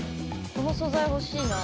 この素材欲しいなあ。